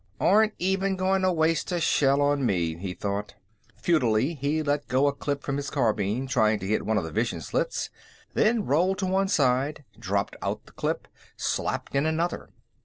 Aren't even going to waste a shell on me, he thought. Futilely, he let go a clip from his carbine, trying to hit one of the vision slits; then rolled to one side, dropped out the clip, slapped in another.